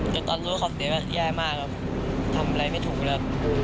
แต่ตอนรู้เขาเสียว่าแย่มากครับทำอะไรไม่ถูกแล้ว